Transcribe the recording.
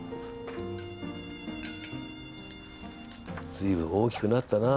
随分大きくなったなあ。